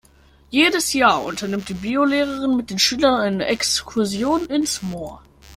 Jedes Jahr unternimmt die Biolehrerin mit den Schülern eine Exkursion ins Moor.